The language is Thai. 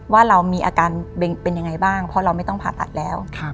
ว่าเรามีอาการเป็นยังไงบ้างเพราะเราไม่ต้องผ่าตัดแล้ว